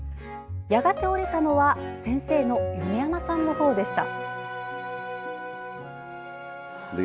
やがて、折れたのは先生の米山さんの方でした。